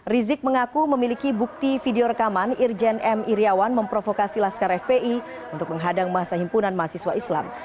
rizik mengaku memiliki bukti video rekaman irjen m iryawan memprovokasi laskar fpi untuk menghadang masa himpunan mahasiswa islam